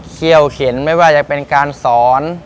เขี้ยวเข็นไม่ว่าจะเป็นการสอน